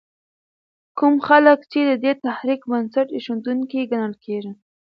کوم خلک د دې تحریک بنسټ ایښودونکي ګڼل کېږي؟